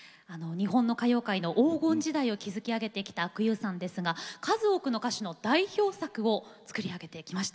日本歌謡界の黄金時代を築き上げてきた阿久悠さんですが数多くの歌手の代表作を作り上げてきました。